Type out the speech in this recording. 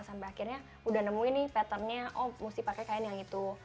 sampai akhirnya udah nemuin nih patternnya oh mesti pakai kain yang itu